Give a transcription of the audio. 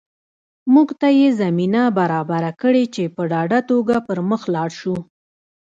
موږ ته یې زمینه برابره کړې چې په ډاډه توګه پر مخ لاړ شو